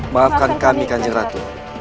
maafkan kami kanjeng ratu